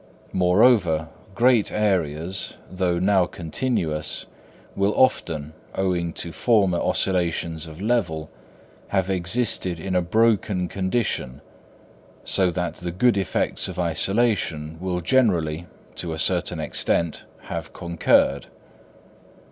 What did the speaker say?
Moreover, great areas, though now continuous, will often, owing to former oscillations of level, have existed in a broken condition, so that the good effects of isolation will generally, to a certain extent, have concurred.